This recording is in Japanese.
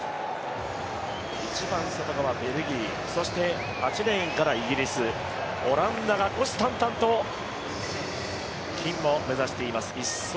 一番外側ベルギーそして８レーンからイギリスオランダが虎視たんたんと金を目指しています。